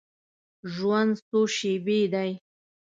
ژوند څو شیبې دی.